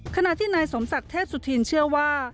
ขณะที่นายสมศักดิ์เทพสุธินเชื่อว่า